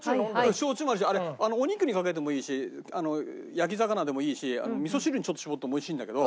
焼酎も合うしあれお肉にかけてもいいし焼き魚でもいいし味噌汁にちょっと搾っても美味しいんだけど。